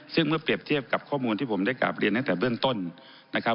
ซึ่งเมื่อเปรียบเทียบกับข้อมูลที่ผมได้กราบเรียนตั้งแต่เบื้องต้นนะครับ